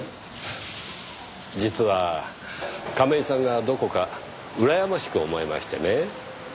実は亀井さんがどこかうらやましく思えましてね。